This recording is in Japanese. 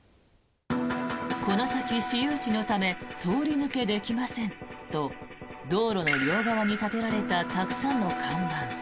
この先、私有地のため通り抜けできませんと道路の両側に立てられたたくさんの看板。